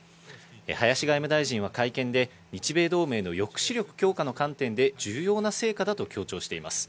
林外務大臣は会見で日米同盟の抑止力強化の観点で重要な成果だと強調しています。